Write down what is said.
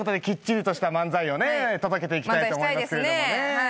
きっちりとした漫才をね届けていきたいと思いますけどね。